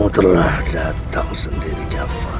jangan sampai dia tercampur